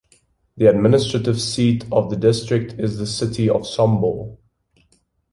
The administrative seat of the district is the city of Sombor.